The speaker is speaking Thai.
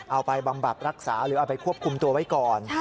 บำบัดรักษาหรือเอาไปควบคุมตัวไว้ก่อน